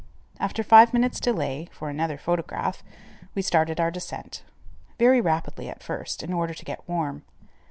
After five minutes delay, for another photograph, we started our descent, very rapidly, at first, in order to get warm.